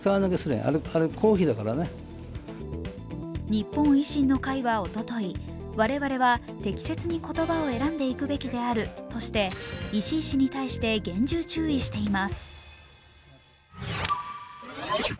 日本維新の会はおととい、我々は適切に言葉を選んでいくべきであるとして、石井氏に対して厳重注意しています。